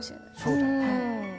そうだよね。